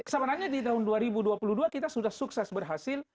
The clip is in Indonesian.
sebenarnya di tahun dua ribu dua puluh dua kita sudah sukses berhasil